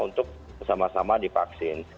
untuk sama sama dipaksin